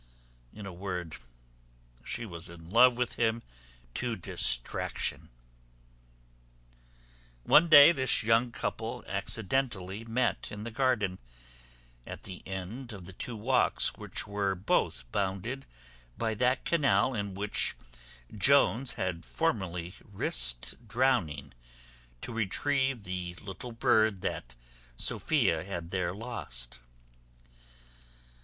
In a word, she was in love with him to distraction. One day this young couple accidentally met in the garden, at the end of the two walks which were both bounded by that canal in which Jones had formerly risqued drowning to retrieve the little bird that Sophia had there lost.